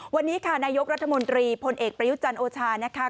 วันนี้ค่ะนายกรัฐมนตรีพลเอกประยุจันทร์โอชานะคะ